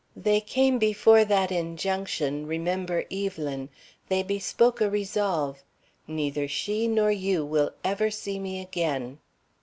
"They came before that injunction, 'Remember Evelyn!' They bespoke a resolve. 'Neither she nor you will ever see me again.'"